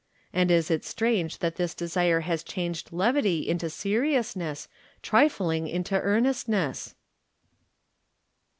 And is it strange that this desire has changed levity into seriousness, tri fling into earnestness